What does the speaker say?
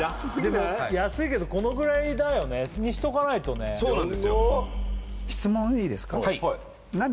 でも安いけどこのぐらいだよねにしとかないとねそうなんですよ